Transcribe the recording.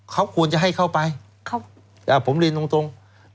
เขาควรจะให้เข้าไปผมเรียนตรง